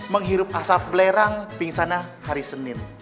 menghirup asap belerang pingsannya hari senin